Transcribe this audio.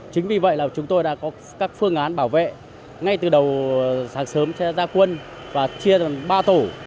chính vì vậy là chúng tôi đã có các phương án bảo vệ ngay từ đầu sáng sớm ra quân và chia làm ba tổ